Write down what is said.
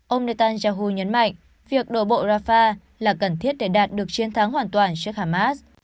ông netanyahu nhấn mạnh việc đổ bộ rafah là cần thiết để đạt được chiến thắng hoàn toàn trước hamas